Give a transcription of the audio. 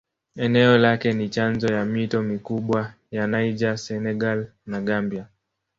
Eneo lake ni chanzo ya mito mikubwa ya Niger, Senegal na Gambia.